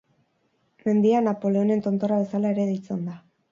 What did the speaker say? Mendia, Napoleonen Tontorra bezala ere deitzen da.